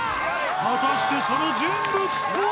果たしてその人物とは？